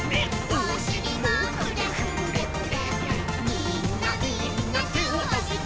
「おしりもフレフレフレフレ」「みんなみんなてをあげて」